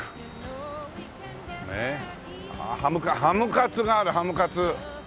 ハムカツがあるハムカツ。